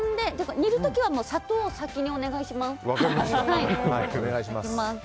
煮る時は砂糖を先にお願いします。